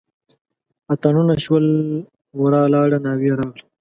اتڼونه شول ورا لاړه ناوې راغله.